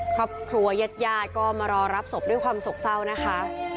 ครอบครัวยาดก็มารอรับศพด้วยความโศกเศร้านะคะ